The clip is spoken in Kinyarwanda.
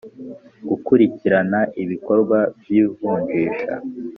Gukurikirana ibikorwa by ivunjisha